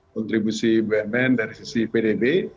kontribusi bumn dari sisi pdb